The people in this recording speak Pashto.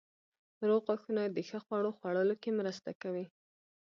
روغ غاښونه د ښه خوړو خوړلو کې مرسته کوي.